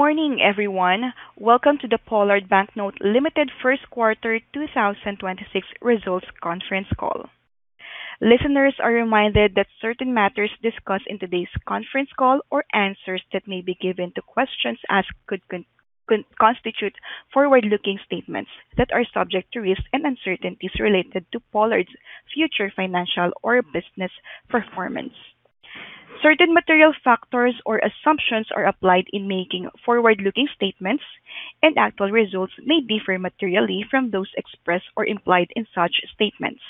Morning, everyone. Welcome to the Pollard Banknote Limited first quarter 2026 results conference call. Listeners are reminded that certain matters discussed in today's conference call or answers that may be given to questions asked could constitute forward-looking statements that are subject to risks and uncertainties related to Pollard's future financial or business performance. Certain material factors or assumptions are applied in making forward-looking statements, actual results may differ materially from those expressed or implied in such statements.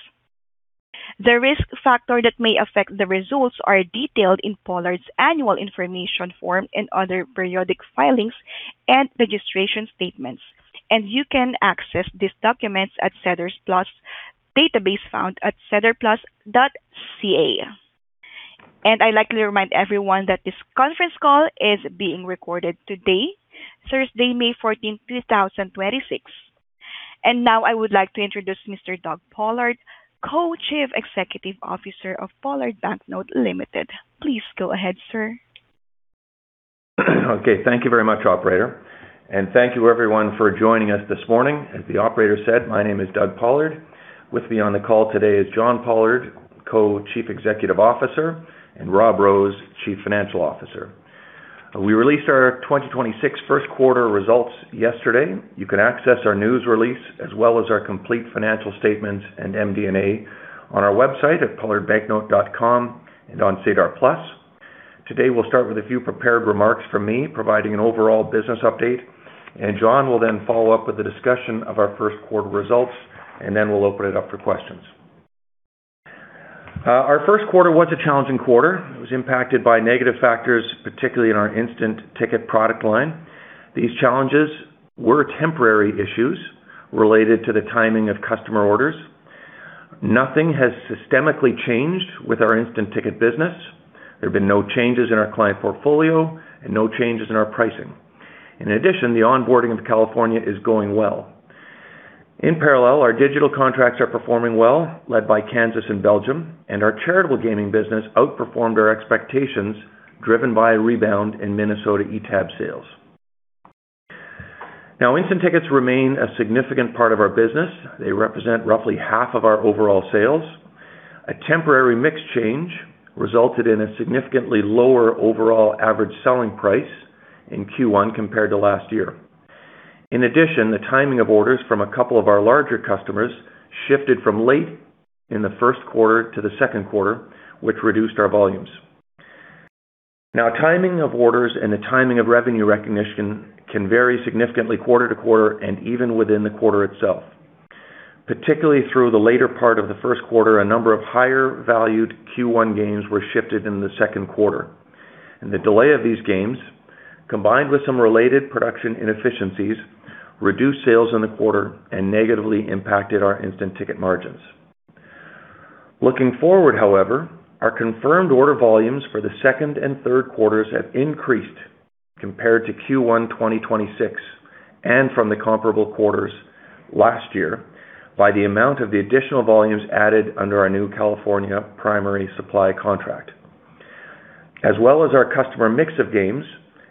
The Risk Factor that may affect the results are detailed in Pollard's annual information form and other periodic filings and registration statements, you can access these documents at SEDAR+ database found at sedarplus.ca. I'd like to remind everyone that this conference call is being recorded today, Thursday, May 14th, 2026. Now I would like to introduce Mr. Doug Pollard, Co-Chief Executive Officer of Pollard Banknote Limited. Please go ahead, sir. Okay. Thank you very much, operator. Thank you everyone for joining us this morning. As the operator said, my name is Doug Pollard. With me on the call today is John Pollard, Co-Chief Executive Officer, and Rob Rose, Chief Financial Officer. We released our 2026 first quarter results yesterday. You can access our news release as well as our complete financial statements and MD&A on our website at pollardbanknote.com and on SEDAR+. Today, we'll start with a few prepared remarks from me, providing an overall business update. John will then follow up with a discussion of our first quarter results. Then we'll open it up for questions. Our first quarter was a challenging quarter. It was impacted by negative factors, particularly in our instant ticket product line. These challenges were temporary issues related to the timing of customer orders. Nothing has systemically changed with our instant ticket business. There have been no changes in our client portfolio and no changes in our pricing. The onboarding of California is going well. In parallel, our digital contracts are performing well, led by Kansas and Belgium, and our charitable gaming business outperformed our expectations, driven by a rebound in Minnesota eTab sales. Instant tickets remain a significant part of our business. They represent roughly half of our overall sales. A temporary mix change resulted in a significantly lower overall average selling price in Q1 compared to last year. In addition, the timing of orders from a couple of our larger customers shifted from late in the first quarter to the second quarter, which reduced our volumes. Timing of orders and the timing of revenue recognition can vary significantly quarter to quarter and even within the quarter itself. Particularly through the later part of the first quarter, a number of higher valued Q1 games were shifted into the second quarter. The delay of these games, combined with some related production inefficiencies, reduced sales in the quarter and negatively impacted our instant ticket margins. Looking forward, however, our confirmed order volumes for the second and third quarters have increased compared to Q1 2026 and from the comparable quarters last year by the amount of the additional volumes added under our new California primary supply contract. As well as our customer mix of games,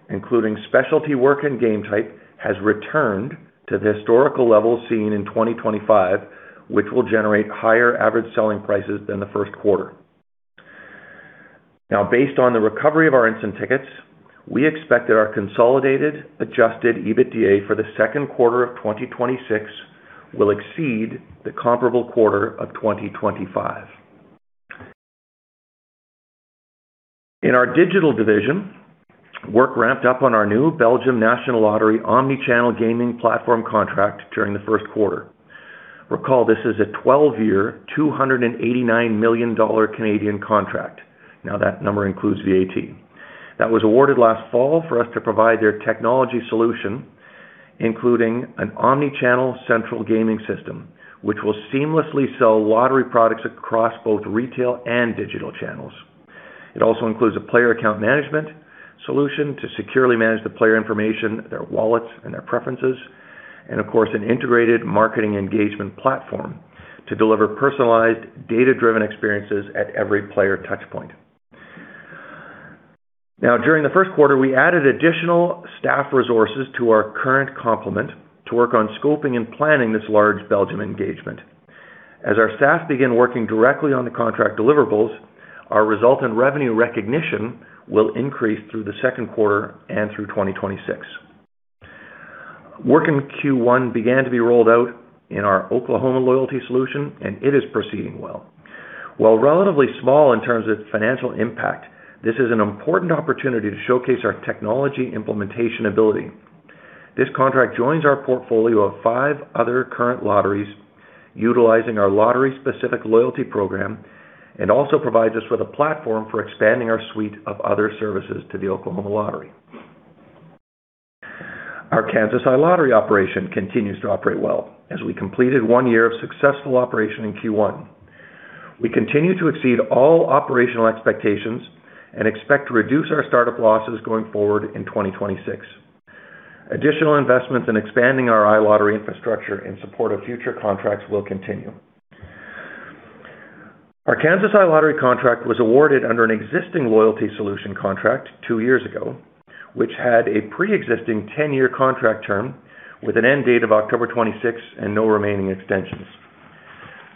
including specialty work and game type, has returned to the historical levels seen in 2025, which will generate higher average selling prices than the first quarter. Now, based on the recovery of our instant tickets, we expect that our consolidated adjusted EBITDA for the second quarter of 2026 will exceed the comparable quarter of 2025. In our digital division, work ramped up on our new National Lottery omni-channel gaming platform contract during the first quarter. Recall, this is a 12-year, 289 million Canadian dollars contract. That number includes VAT. That was awarded last fall for us to provide their technology solution, including an omni-channel central gaming system, which will seamlessly sell lottery products across both retail and digital channels. It also includes a Player Account Management solution to securely manage the player information, their wallets, and their preferences, and of course, an integrated marketing engagement platform to deliver personalized data-driven experiences at every player touch point. During the first quarter, we added additional staff resources to our current complement to work on scoping and planning this large Belgium engagement. As our staff begin working directly on the contract deliverables, our resultant revenue recognition will increase through the second quarter and through 2026. Work in Q1 began to be rolled out in our Oklahoma loyalty solution, and it is proceeding well. While relatively small in terms of financial impact, this is an important opportunity to showcase our technology implementation ability. This contract joins our portfolio of five other current lotteries utilizing our lottery-specific loyalty program and also provides us with a platform for expanding our suite of other services to the Oklahoma Lottery. Our Kansas iLottery operation continues to operate well as we completed one year of successful operation in Q1. We continue to exceed all operational expectations and expect to reduce our startup losses going forward in 2026. Additional investments in expanding our iLottery infrastructure in support of future contracts will continue. Our Kansas iLottery contract was awarded under an existing loyalty solution contract 2 years ago, which had a pre-existing 10-year contract term with an end date of October 26 and no remaining extensions.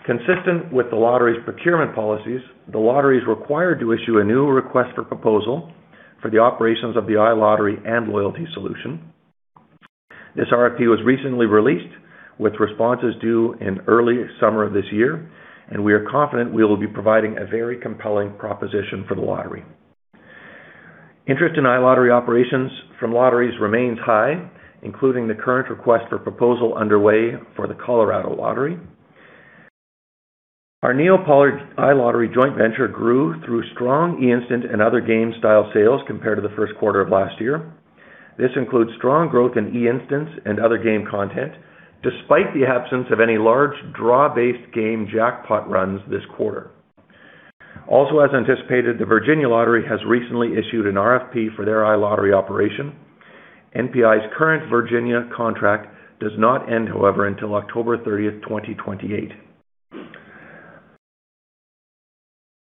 Consistent with the lottery's procurement policies, the lottery is required to issue a new request for proposal for the operations of the iLottery and loyalty solution. This RFP was recently released with responses due in early summer of this year. We are confident we will be providing a very compelling proposition for the lottery. Interest in iLottery operations from lotteries remains high, including the current request for proposal underway for the Colorado Lottery. Our NeoPollard iLottery joint venture grew through strong instant and other game style sales compared to the first quarter of last year. This includes strong growth in eInstants and other game content, despite the absence of any large draw-based game jackpot runs this quarter. As anticipated, the Virginia Lottery has recently issued an RFP for their iLottery operation. NPi's current Virginia contract does not end, however, until October 30, 2028.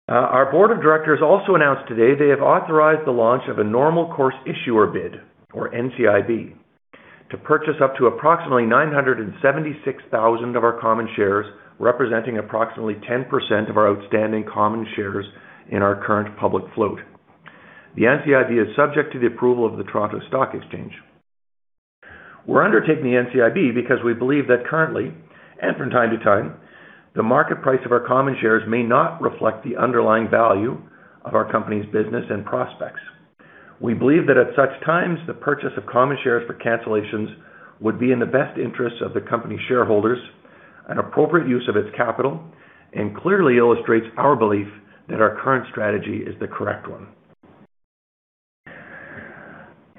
Our Board of Directors announced today they have authorized the launch of a normal course issuer bid, or NCIB, to purchase up to approximately 976,000 of our common shares, representing approximately 10% of our outstanding common shares in our current public float. The NCIB is subject to the approval of the Toronto Stock Exchange. We're undertaking the NCIB because we believe that currently, and from time to time, the market price of our common shares may not reflect the underlying value of our company's business and prospects. We believe that at such times, the purchase of common shares for cancellations would be in the best interest of the company shareholders, an appropriate use of its capital, and clearly illustrates our belief that our current strategy is the correct one.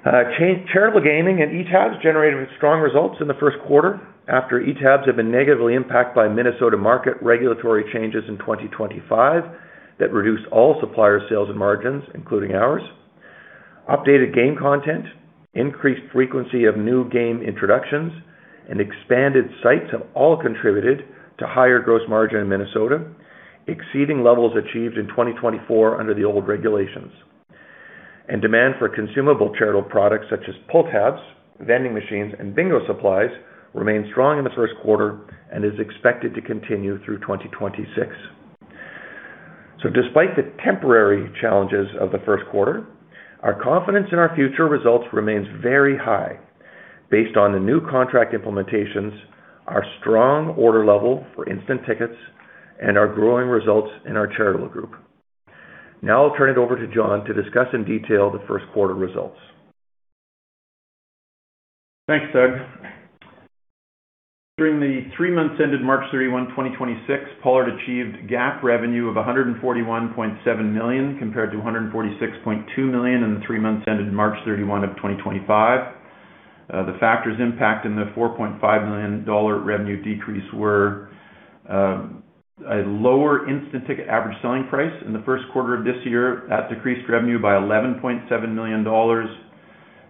Charitable gaming and eTab generated strong results in the first quarter after eTab have been negatively impacted by Minnesota market regulatory changes in 2025 that reduced all supplier sales and margins, including ours. Updated game content, increased frequency of new game introductions, and expanded sites have all contributed to higher gross margin in Minnesota, exceeding levels achieved in 2024 under the old regulations. Demand for consumable charitable products such as pull-tabs, vending machines, and bingo supplies remain strong in the first quarter and is expected to continue through 2026. Despite the temporary challenges of the first quarter, our confidence in our future results remains very high based on the new contract implementations, our strong order level for instant tickets, and our growing results in our charitable group. Now I'll turn it over to John to discuss in detail the first quarter results. Thanks, Doug. During the three months ended March 31, 2026, Pollard achieved GAAP revenue of 141.7 million, compared to 146.2 million in the three months ended March 31, 2025. The factors impacting the 4.5 million dollar revenue decrease were a lower instant ticket average selling price in the first quarter of this year. That decreased revenue by 11.7 million dollars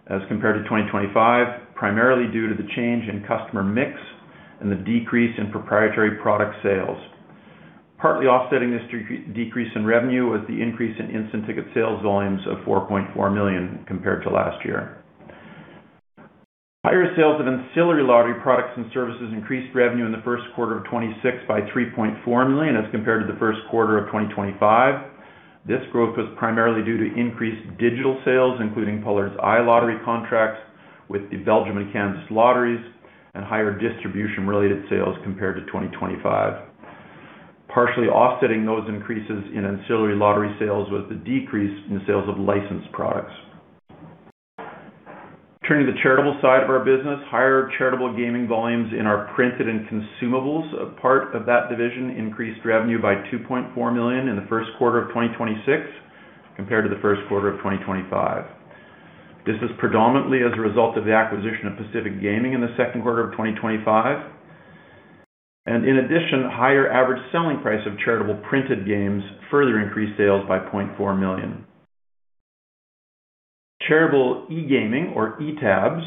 as compared to 2025, primarily due to the change in customer mix and the decrease in proprietary product sales. Partly offsetting this decrease in revenue was the increase in instant ticket sales volumes of 4.4 million compared to last year. Higher sales of ancillary lottery products and services increased revenue in the first quarter of 2026 by 3.4 million as compared to the first quarter of 2025. This growth was primarily due to increased digital sales, including Pollard's iLottery contracts with the Belgium and Kansas Lotteries and higher distribution-related sales compared to 2025. Partially offsetting those increases in ancillary lottery sales was the decrease in sales of licensed products. Turning to the charitable side of our business, higher charitable gaming volumes in our printed and consumables part of that division increased revenue by 2.4 million in the first quarter of 2026 compared to the first quarter of 2025. This is predominantly as a result of the acquisition of Pacific Gaming in the second quarter of 2025. In addition, higher average selling price of charitable printed games further increased sales by 0.4 million. Charitable e-gaming or eTabs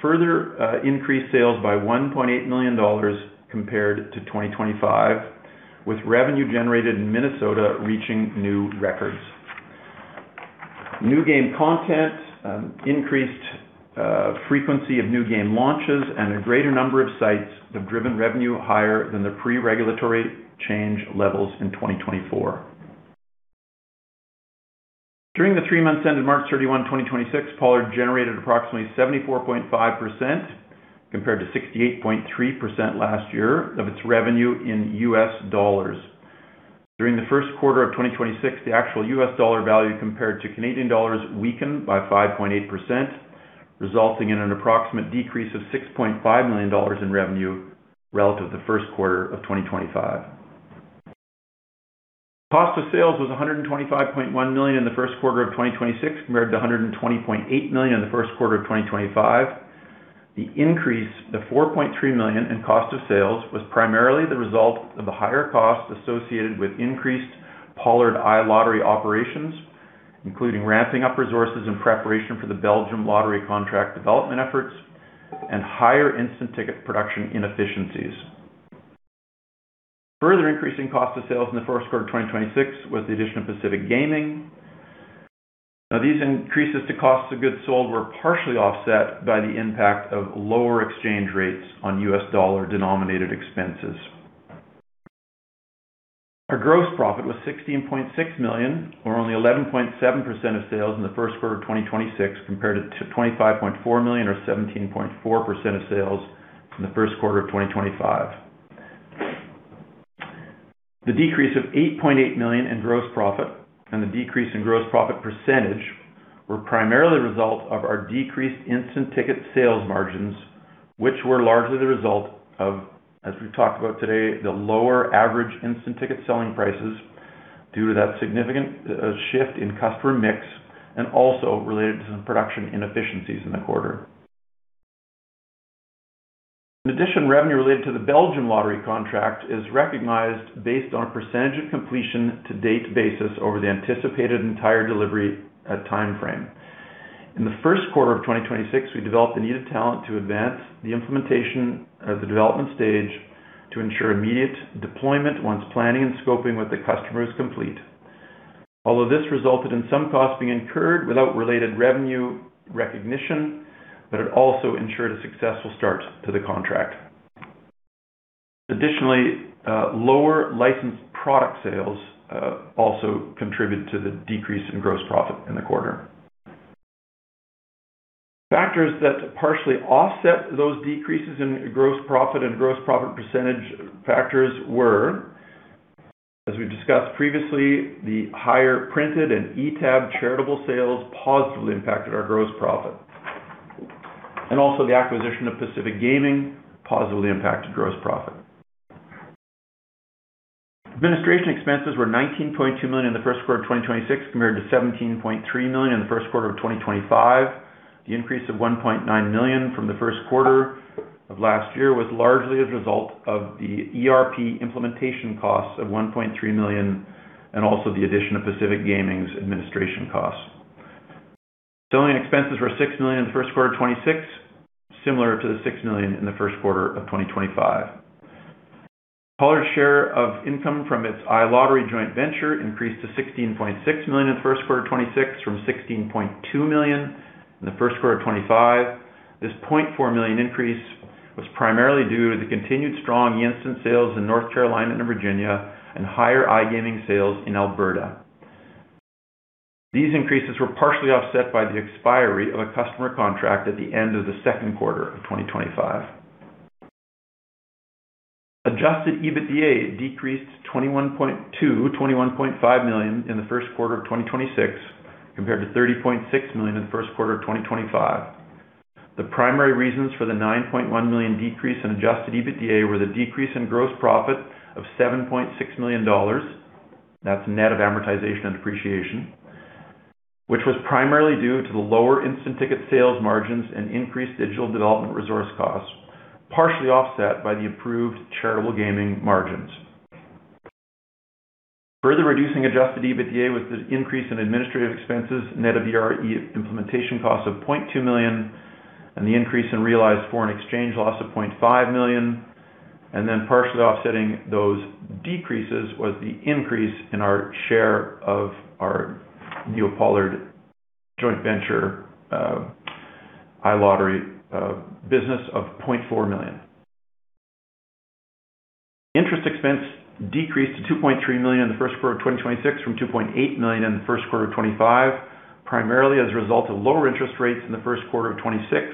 further increased sales by 1.8 million dollars compared to 2025, with revenue generated in Minnesota reaching new records. New game content, increased frequency of new game launches, and a greater number of sites have driven revenue higher than the pre-regulatory change levels in 2024. During the three months ended March 31, 2026, Pollard generated approximately 74.5% compared to 68.3% last year of its revenue in US dollars. During the first quarter of 2026, the actual US dollar value compared to Canadian dollars weakened by 5.8%, resulting in an approximate decrease of 6.5 million dollars in revenue relative to the first quarter of 2025. Cost of sales was 125.1 million in the first quarter of 2026 compared to 120.8 million in the first quarter of 2025. The 4.3 million in cost of sales was primarily the result of the higher cost associated with increased Pollard iLottery operations, including ramping up resources in preparation for the Belgium Lottery contract development efforts. Higher instant ticket production inefficiencies. Further increasing cost of sales in the first quarter of 2026 was the addition of Pacific Gaming. Now, these increases to cost of goods sold were partially offset by the impact of lower exchange rates on US dollar-denominated expenses. Our gross profit was 16.6 million, or only 11.7% of sales in the first quarter of 2026, compared to 25.4 million or 17.4% of sales in the first quarter of 2025. The decrease of 8.8 million in gross profit and the decrease in gross profit percentage were primarily the result of our decreased instant tickets sales margins, which were largely the result of, as we've talked about today, the lower average instant tickets selling prices due to that significant shift in customer mix and also related to some production inefficiencies in the quarter. Revenue related to the National Lottery contract is recognized based on a percentage of completion to date basis over the anticipated entire delivery time frame. In the first quarter of 2026, we developed the needed talent to advance the implementation of the development stage to ensure immediate deployment once planning and scoping with the customer is complete. Although this resulted in some costs being incurred without related revenue recognition, but it also ensured a successful start to the contract. Additionally, lower licensed product sales also contributed to the decrease in gross profit in the quarter. Factors that partially offset those decreases in gross profit and gross profit percentage factors were, as we discussed previously, the higher printed and eTab charitable sales positively impacted our gross profit. Also the acquisition of Pacific Gaming positively impacted gross profit. Administration expenses were 19.2 million in the first quarter of 2026, compared to 17.3 million in the first quarter of 2025. The increase of 1.9 million from the first quarter of last year was largely as a result of the ERP implementation costs of 1.3 million and also the addition of Pacific Gaming's administration costs. Selling expenses were 6 million in the first quarter of 2026, similar to the 6 million in the first quarter of 2025. Pollard's share of income from its iLottery joint venture increased to 16.6 million in the first quarter of 2026 from 16.2 million in the first quarter of 2025. This 0.4 million increase was primarily due to the continued strong instant sales in North Carolina and Virginia and higher iGaming sales in Alberta. These increases were partially offset by the expiry of a customer contract at the end of the second quarter of 2025. Adjusted EBITDA decreased to 21.2, 21.5 million in the first quarter of 2026, compared to 30.6 million in the first quarter of 2025. The primary reasons for the 9.1 million decrease in Adjusted EBITDA were the decrease in gross profit of 7.6 million dollars. That's net of amortization and depreciation. Which was primarily due to the lower instant ticket sales margins and increased digital development resource costs, partially offset by the improved charitable gaming margins. Further reducing Adjusted EBITDA was the increase in administrative expenses, net of the ERP implementation cost of 0.2 million, and the increase in realized foreign exchange loss of 0.5 million. Partially offsetting those decreases was the increase in our share of our NeoPollard joint venture iLottery business of 0.4 million. Interest expense decreased to 2.3 million in the first quarter of 2026 from 2.8 million in the first quarter of 2025, primarily as a result of lower interest rates in the first quarter of 2026,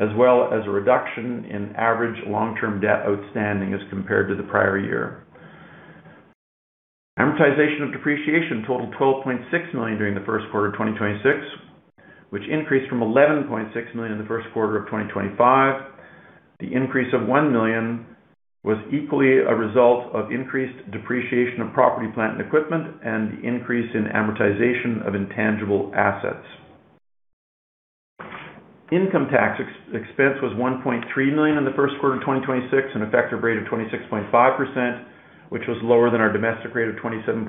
as well as a reduction in average long-term debt outstanding as compared to the prior year. Amortization and depreciation totaled 12.6 million during the first quarter of 2026, which increased from 11.6 million in the first quarter of 2025. The increase of 1 million was equally a result of increased depreciation of property, plant, and equipment and the increase in amortization of intangible assets. Income tax expense was 1.3 million in the first quarter of 2026, an effective rate of 26.5%, which was lower than our domestic rate of 27.0%,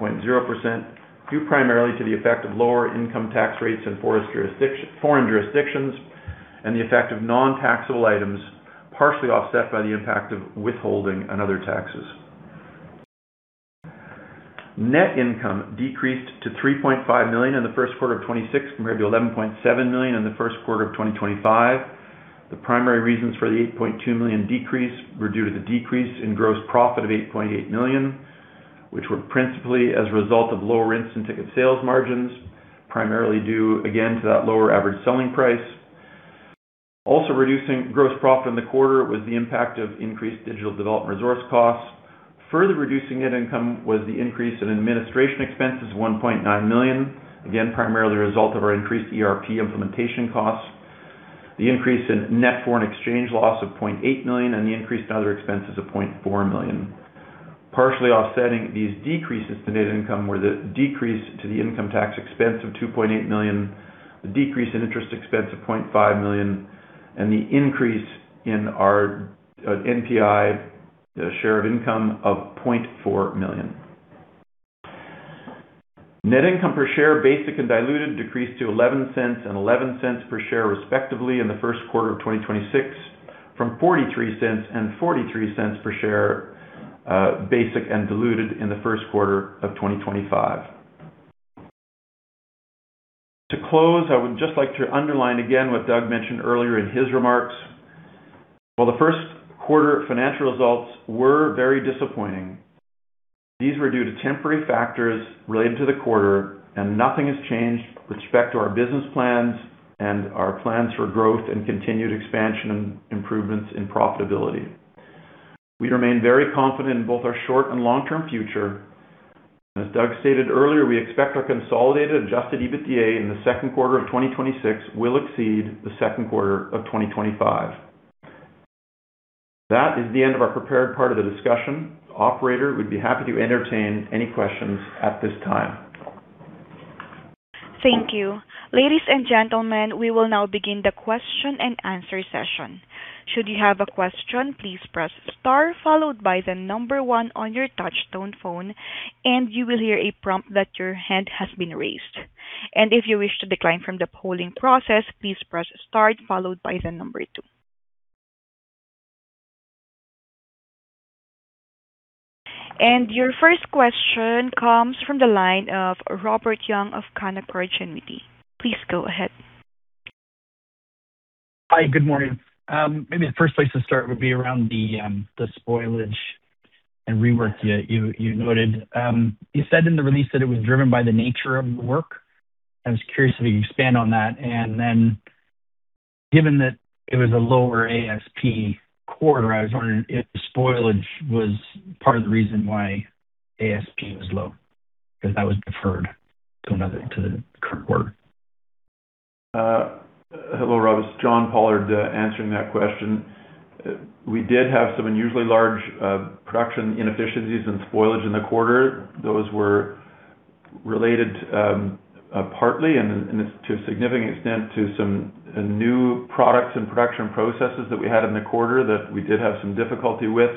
due primarily to the effect of lower income tax rates in foreign jurisdictions and the effect of non-taxable items, partially offset by the impact of withholding and other taxes. Net income decreased to 3.5 million in the first quarter of 2026, compared to 11.7 million in the first quarter of 2025. The primary reasons for the 8.2 million decrease were due to the decrease in gross profit of 8.8 million, which were principally as a result of lower instant ticket sales margins, primarily due again to that lower average selling price. Also reducing gross profit in the quarter was the impact of increased digital development resource costs. Further reducing net income was the increase in administration expenses of 1.9 million, again, primarily a result of our increased ERP implementation costs, the increase in net foreign exchange loss of 0.8 million, and the increase in other expenses of 0.4 million. Partially offsetting these decreases to net income were the decrease to the income tax expense of 2.8 million, the decrease in interest expense of 0.5 million, and the increase in our NPi share of income of 0.4 million. Net income per share, basic and diluted, decreased to 0.11 and 0.11 per share respectively in the first quarter of 2026 from 0.43 and 0.43 per share, basic and diluted in the first quarter of 2025. To close, I would just like to underline again what Doug mentioned earlier in his remarks. While the first quarter financial results were very disappointing, these were due to temporary factors related to the quarter and nothing has changed with respect to our business plans and our plans for growth and continued expansion and improvements in profitability. We remain very confident in both our short and long-term future. As Doug stated earlier, we expect our consolidated adjusted EBITDA in the second quarter of 2026 will exceed the second quarter of 2025. That is the end of our prepared part of the discussion. Operator, we'd be happy to entertain any questions at this time. Thank you. Ladies and gentlemen, we will now begin the question-and-answer session. Should you have a question, please press star followed by the number one on your touch tone phone, and you will hear a prompt that your hand has been raised. If you wish to decline from the polling process, please press star followed by the number two. Your first question comes from the line of Robert Young of Canaccord Genuity. Please go ahead. Hi. Good morning. Maybe the first place to start would be around the spoilage and rework that you noted. You said in the release that it was driven by the nature of the work. I was curious if you expand on that. Given that it was a lower ASP quarter, I was wondering if the spoilage was part of the reason why ASP was low, because that was deferred to the current quarter. Hello, Rob. It's John Pollard answering that question. We did have some unusually large production inefficiencies and spoilage in the quarter. Those were related partly and to a significant extent to some new products and production processes that we had in the quarter that we did have some difficulty with.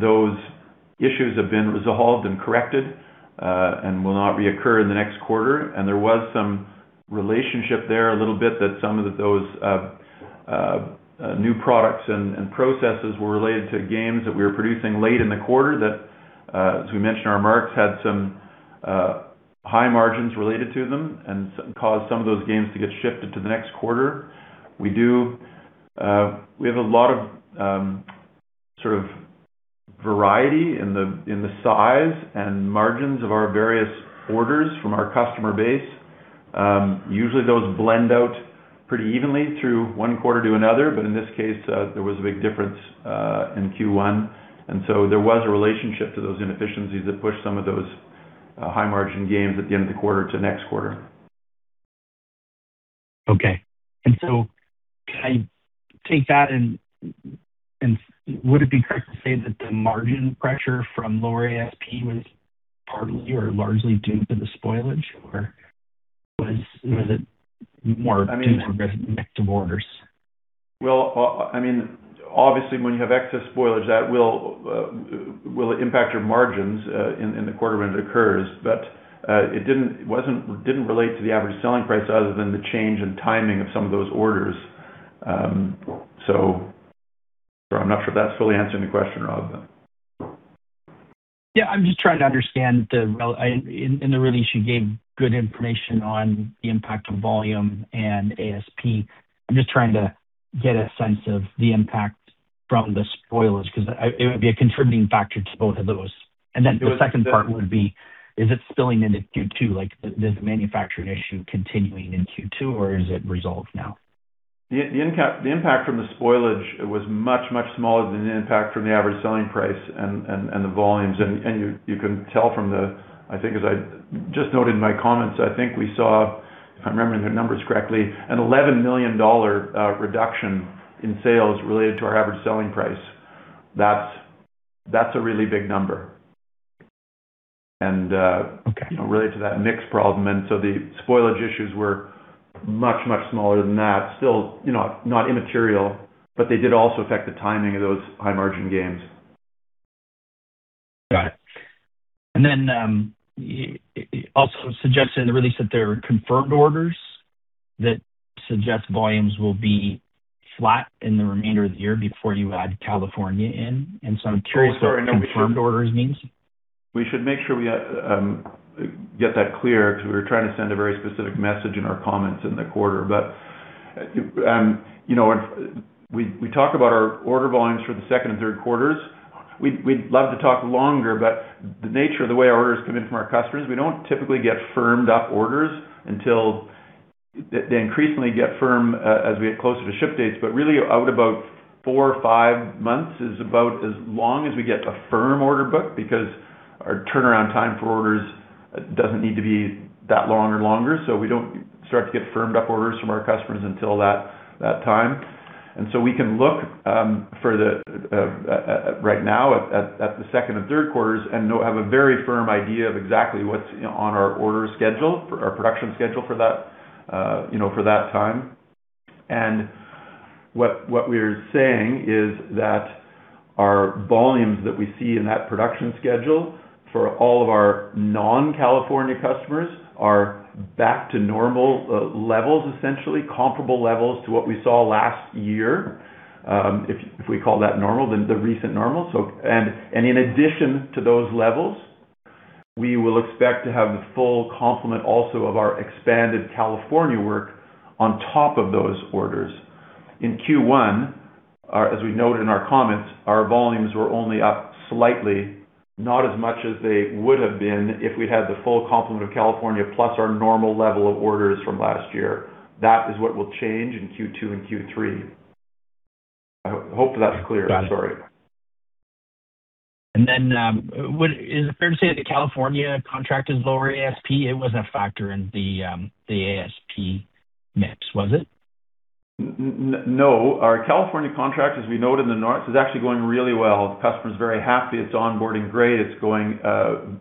Those issues have been resolved and corrected and will not reoccur in the next quarter. There was some relationship there a little bit that some of those new products and processes were related to games that we were producing late in the quarter that, as we mentioned in our marks, had some high margins related to them and caused some of those games to get shifted to the next quarter. We have a lot of sort of variety in the size and margins of our various orders from our customer base. Usually those blend out pretty evenly through one quarter to another, but in this case, there was a big difference in Q1. There was a relationship to those inefficiencies that pushed some of those high margin games at the end of the quarter to next quarter. Okay. Can I take that and would it be correct to say that the margin pressure from lower ASP was partly or largely due to the spoilage, or was it more due to aggressive mix of orders? Well, I mean, obviously when you have excess spoilage, that will impact your margins in the quarter when it occurs. It didn't relate to the average selling price other than the change in timing of some of those orders. I'm not sure if that's fully answering the question, Rob. Yeah. I'm just trying to understand in the release, you gave good information on the impact of volume and ASP. I'm just trying to get a sense of the impact from the spoilage 'cause it would be a contributing factor to both of those. The second part would be, is it spilling into Q2? There's a manufacturing issue continuing in Q2, or is it resolved now? The impact from the spoilage was much smaller than the impact from the average selling price and the volumes. You can tell from the, I think as I just noted in my comments, I think we saw, if I'm remembering the numbers correctly, a 11 million dollar reduction in sales related to our average selling price. That's a really big number. Okay you know, related to that mix problem. The spoilage issues were much, much smaller than that. Still, you know, not immaterial, but they did also affect the timing of those high margin games. Got it. You also suggested in the release that there are confirmed orders that suggest volumes will be flat in the remainder of the year before you add California in. I'm curious what confirmed orders means? We should make sure we get that clear because we were trying to send a very specific message in our comments in the quarter. You know, if we talk about our order volumes for the second and third quarters. We'd love to talk longer, but the nature of the way our orders come in from our customers, we don't typically get firmed up orders until They increasingly get firm as we get closer to ship dates. Really out about four or five months is about as long as we get a firm order book because our turnaround time for orders doesn't need to be that long or longer. We don't start to get firmed up orders from our customers until that time. We can look for the right now at the second and third quarters and have a very firm idea of exactly what's, you know, on our order schedule, our production schedule for that, you know, for that time. What we're saying is that our volumes that we see in that production schedule for all of our non-California customers are back to normal levels, essentially comparable levels to what we saw last year. If we call that normal, then the recent normal. In addition to those levels, we will expect to have the full complement also of our expanded California work on top of those orders. In Q1, as we noted in our comments, our volumes were only up slightly, not as much as they would have been if we'd had the full complement of California plus our normal level of orders from last year. That is what will change in Q2 and Q3. I hope that's clear. I'm sorry. Is it fair to say the California contract is lower ASP? It wasn't a factor in the ASP mix, was it? No. Our California contract, as we noted in the notes, is actually going really well. The customer is very happy. It's onboarding great. It's going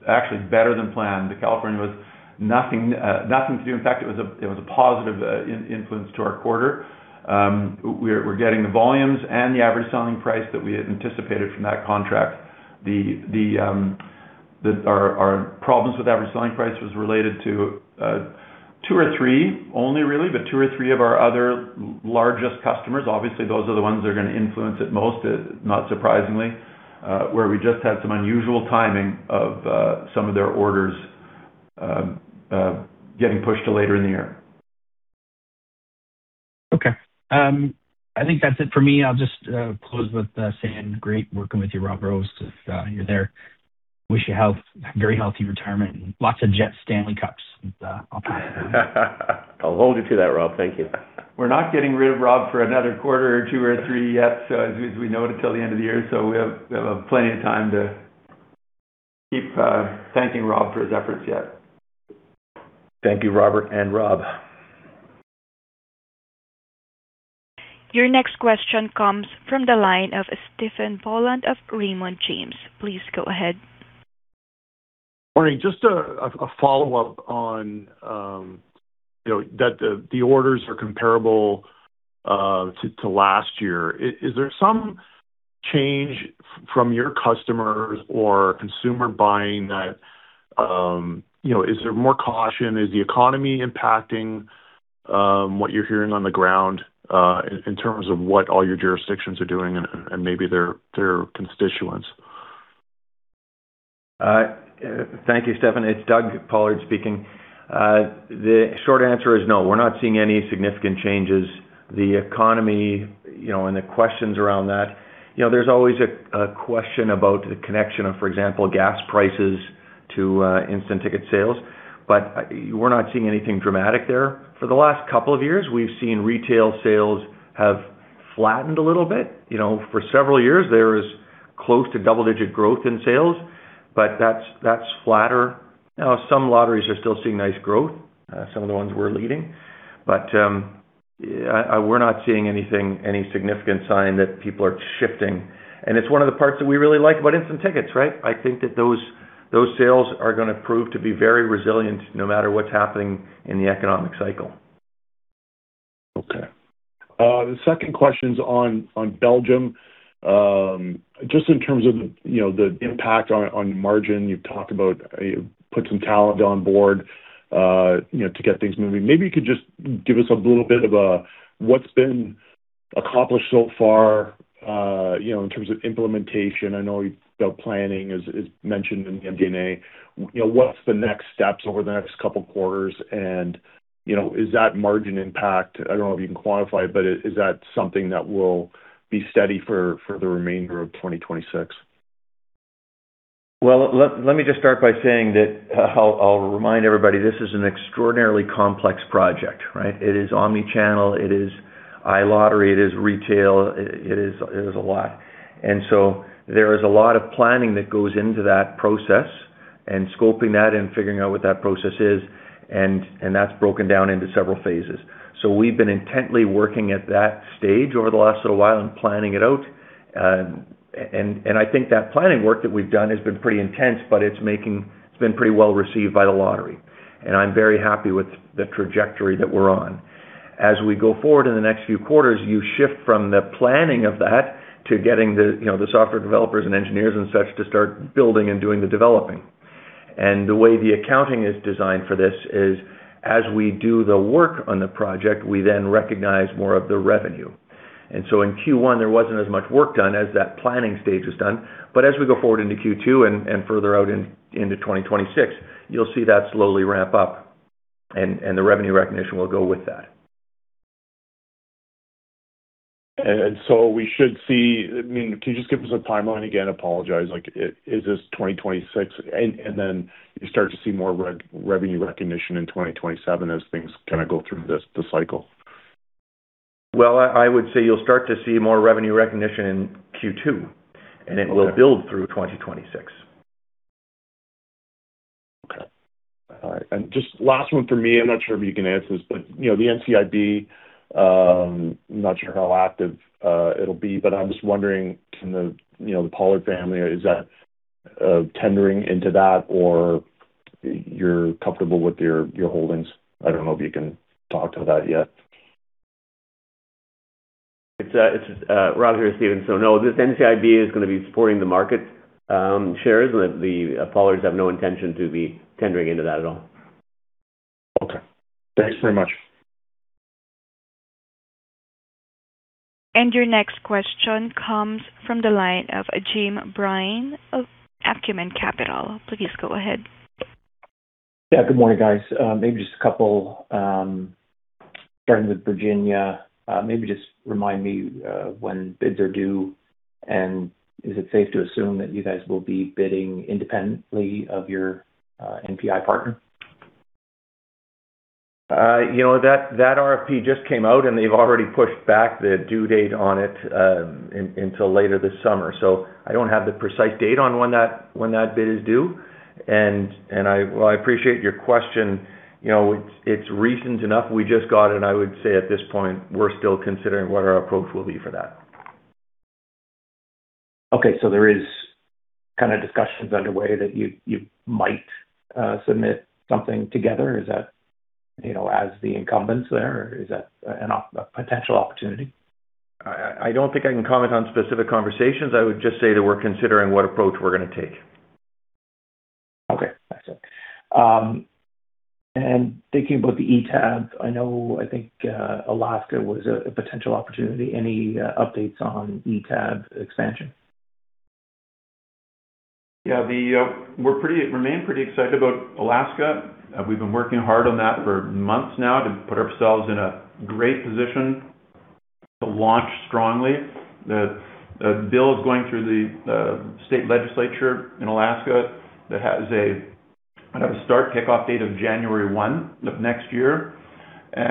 actually better than planned. The California was nothing to do. In fact, it was a positive influence to our quarter. We're getting the volumes and the average selling price that we had anticipated from that contract. Our problems with average selling price was related to two or three only really, but two or three of our other largest customers. Obviously, those are the ones that are gonna influence it most, not surprisingly, where we just had some unusual timing of some of their orders getting pushed to later in the year. Okay. I think that's it for me. I'll just close with saying great working with you, Rob Rose. If you're there, wish you a very healthy retirement and lots of Jets Stanley Cups. I'll try. I'll hold you to that, Rob. Thank you. We're not getting rid of Rob for another quarter or two or three yet, so as we noted till the end of the year. We have plenty of time to keep thanking Rob for his efforts yet. Thank you, Robert and Rob. Your next question comes from the line of Stephen Boland of Raymond James. Please go ahead. Morning. Just a follow-up on, you know, that the orders are comparable to last year. Is there some change from your customers or consumer buying that, you know? Is there more caution? Is the economy impacting what you're hearing on the ground in terms of what all your jurisdictions are doing and maybe their constituents? Thank you, Stephen. It's Doug Pollard speaking. The short answer is no. We're not seeing any significant changes. The economy, you know, and the questions around that. You know, there's always a question about the connection of, for example, gas prices to instant ticket sales, but we're not seeing anything dramatic there. For the last couple of years, we've seen retail sales have flattened a little bit. You know, for several years, there is close to double-digit growth in sales, but that's flatter. Some lotteries are still seeing nice growth, some of the ones we're leading. We're not seeing any significant sign that people are shifting. It's one of the parts that we really like about instant tickets, right? I think that those sales are gonna prove to be very resilient no matter what's happening in the economic cycle. Okay. The second question's on Belgium. Just in terms of, you know, the impact on margin. You've talked about, put some talent on board, you know, to get things moving. Maybe you could just give us a little bit of a what's been accomplished so far, you know, in terms of implementation. I know the planning is mentioned in the MD&A. You know, what's the next steps over the next couple quarters? Is that margin impact? I don't know if you can quantify it, but is that something that will be steady for the remainder of 2026? Well, let me just start by saying that I'll remind everybody this is an extraordinarily complex project, right? It is omni-channel, it is iLottery, it is retail. It is a lot. There is a lot of planning that goes into that process and scoping that and figuring out what that process is. That's broken down into several phases. We've been intently working at that stage over the last little while and planning it out. I think that planning work that we've done has been pretty intense, but it's been pretty well-received by the lottery. I'm very happy with the trajectory that we're on. As we go forward in the next few quarters, you shift from the planning of that to getting the, you know, the software developers and engineers and such to start building and doing the developing. The way the accounting is designed for this is, as we do the work on the project, we then recognize more of the revenue. In Q1, there wasn't as much work done as that planning stage was done. As we go forward into Q2 and further out into 2026, you'll see that slowly ramp up and the revenue recognition will go with that. I mean, can you just give us a timeline? Again, apologize. Like, is this 2026? You start to see more re-revenue recognition in 2027 as things kind of go through this, the cycle. Well, I would say you'll start to see more revenue recognition in Q2. Okay. It will build through 2026. Okay. All right. Just last one from me. I'm not sure if you can answer this. You know, the NCIB, I'm not sure how active it'll be. I'm just wondering, can the, you know, the Pollard family, is that tendering into that or are you comfortable with your holdings? I don't know if you can talk to that yet. It's Rob here Stephen. No, this NCIB is gonna be supporting the market shares. The Pollards have no intention to be tendering into that at all. Okay. Thanks very much. Your next question comes from the line of Jim Byrne of Acumen Capital. Please go ahead. Yeah, good morning, guys. Maybe just a couple, starting with Virginia, maybe just remind me, when bids are due, and is it safe to assume that you guys will be bidding independently of your NPi partner? You know, that RFP just came out. They've already pushed back the due date on it until later this summer. I don't have the precise date on when that bid is due. Well, I appreciate your question. You know, it's recent enough. We just got it. I would say at this point, we're still considering what our approach will be for that. Okay. There is discussions underway that you might submit something together. Is that, you know, as the incumbents there, is that a potential opportunity? I don't think I can comment on specific conversations. I would just say that we're considering what approach we're gonna take. Okay. That's it. Thinking about the eTab, I know I think Alaska was a potential opportunity. Any updates on eTab expansion? Yeah. We remain pretty excited about Alaska. We've been working hard on that for months now to put ourselves in a great position to launch strongly. The bill is going through the state legislature in Alaska that has a kind of a start kickoff date of January one of next year. I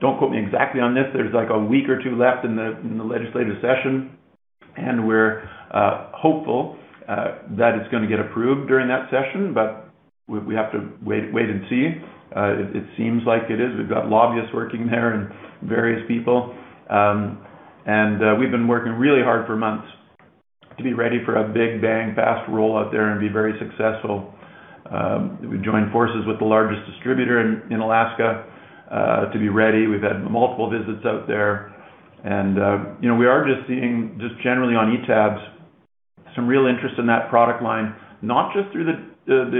don't quote me exactly on this. There's like one or two weeks left in the legislative session, and we're hopeful that it's gonna get approved during that session, but we have to wait and see. It seems like it is. We've got lobbyists working there and various people. We've been working really hard for months to be ready for a big bang, fast rollout there and be very successful. We've joined forces with the largest distributor in Alaska to be ready. We've had multiple visits out there and, you know, we are just seeing, just generally on eTab, some real interest in that product line, not just through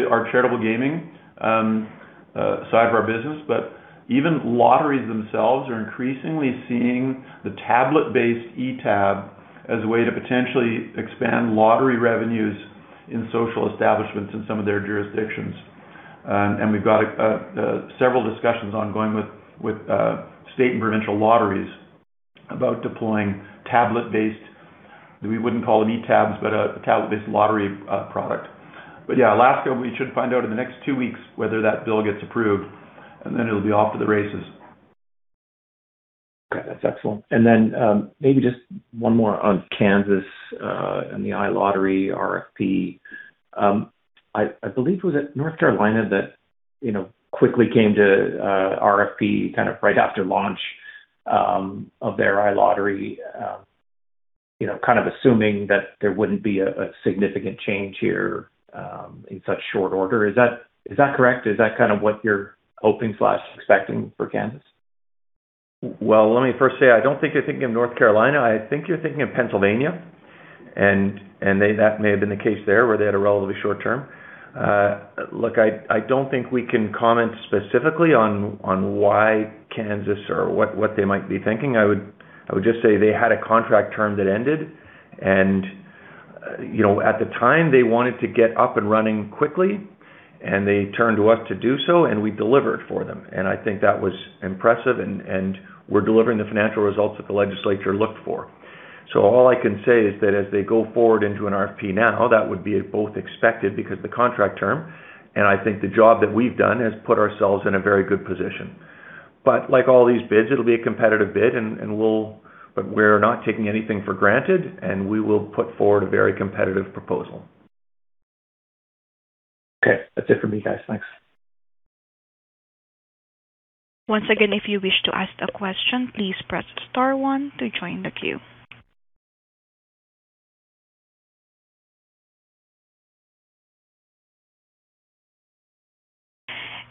our charitable gaming side of our business, but even lotteries themselves are increasingly seeing the tablet-based eTab as a way to potentially expand lottery revenues in social establishments in some of their jurisdictions. And we've got several discussions ongoing with state and provincial lotteries about deploying tablet-based. We wouldn't call them eTab, but a tablet-based lottery product. Yeah, Alaska, we should find out in the next two weeks whether that bill gets approved, and then it'll be off to the races. Okay, that's excellent. Maybe just one more on Kansas and the iLottery RFP. I believe it was at North Carolina that, you know, quickly came to RFP kind of right after launch of their iLottery, you know, kind of assuming that there wouldn't be a significant change here in such short order. Is that correct? Is that kind of what you're hoping/expecting for Kansas? Well, let me first say, I don't think you're thinking of North Carolina. I think you're thinking of Pennsylvania. That may have been the case there where they had a relatively short-term. Look, I don't think we can comment specifically on why Kansas or what they might be thinking. I would just say they had a contract term that ended and, you know, at the time, they wanted to get up and running quickly, and they turned to us to do so, and we delivered for them. I think that was impressive and we're delivering the financial results that the legislature looked for. All I can say is that as they go forward into an RFP now, that would be both expected because the contract term, and I think the job that we've done has put ourselves in a very good position. Like all these bids, it'll be a competitive bid. We're not taking anything for granted, and we will put forward a very competitive proposal. Okay. That's it for me, guys. Thanks. Once again, if you wish to ask a question, please press star one to join the queue.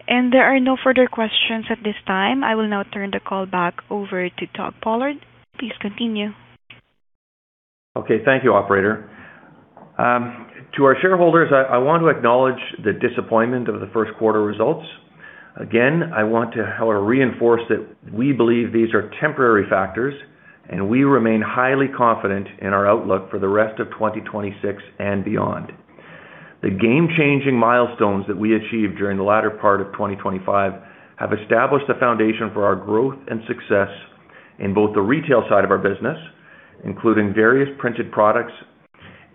There are no further questions at this time. I will now turn the call back over to Doug Pollard. Please continue. Okay. Thank you, operator. To our shareholders, I want to acknowledge the disappointment of the first quarter results. Again, I want to, however, reinforce that we believe these are temporary factors, and we remain highly confident in our outlook for the rest of 2026 and beyond. The game-changing milestones that we achieved during the latter part of 2025 have established a foundation for our growth and success in both the retail side of our business, including various printed products,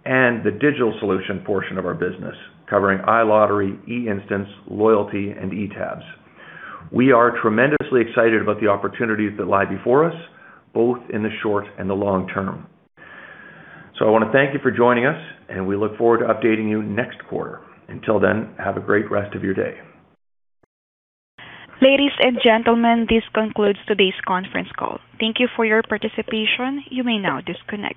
and the digital solution portion of our business, covering iLottery, eInstant, Loyalty, and eTabs. We are tremendously excited about the opportunities that lie before us, both in the short and the long-term. I want to thank you for joining us, and we look forward to updating you next quarter. Until then, have a great rest of your day. Ladies and gentlemen, this concludes today's conference call. Thank you for your participation. You may now disconnect.